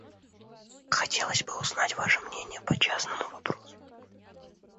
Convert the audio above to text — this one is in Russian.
Хотелось бы узнать ваше мнение по частному вопросу.